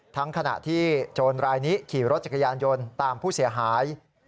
ขณะที่โจรรายนี้ขี่รถจักรยานยนต์ตามผู้เสียหาย